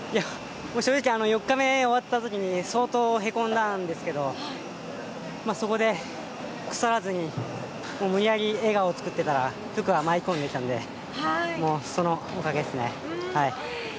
正直４日目終わったときに相当へこんだんですけど、そこで腐らずに無理やり笑顔を作っていたら福が舞い込んできたので、そのおかげっすね。